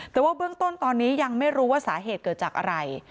แต่ว่าเบื้องต้นตอนนี้ยังไม่รู้ว่าสาเหตุเกิดจากอะไร